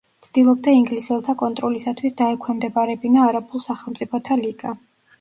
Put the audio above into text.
ცდილობდა ინგლისელთა კონტროლისათვის დაექვემდებარებინა არაბულ სახელმწიფოთა ლიგა.